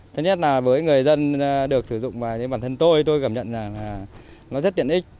thứ nhất là với người dân được sử dụng và như bản thân tôi tôi cảm nhận rằng là nó rất tiện ích